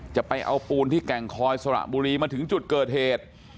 จะเอาปูนที่แก่งคอยสระบุรีมาถึงจุดเกิดเหตุ